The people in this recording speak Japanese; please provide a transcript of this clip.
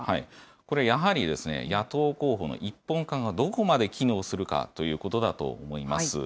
これ、やはり野党候補の一本化がどこまで機能するかということだと思います。